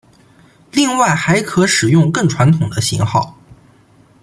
另外还可使用更传统的型号。